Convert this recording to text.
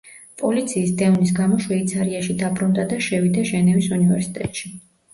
პოლიციის დევნის გამო შვეიცარიაში დაბრუნდა და შევიდა ჟენევის უნივერსიტეტში.